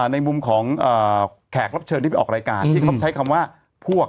ในมุมของแขกรับเชิญที่ไปออกรายการที่เขาใช้คำว่าพวก